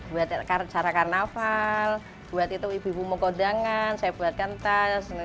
buat cara karnaval buat itu ibu ibu mukodangan saya buatkan tas